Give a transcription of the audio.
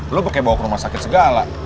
lo pakai bawa ke rumah sakit segala